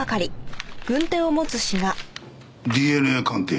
ＤＮＡ鑑定。